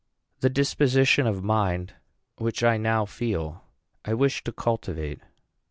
The disposition of mind which I now feel I wish to cultivate.